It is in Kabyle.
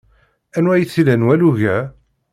Anwa ay t-ilan walug-a?